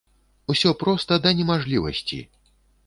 Усё проста да немажлівасці!